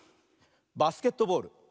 バスケットボール。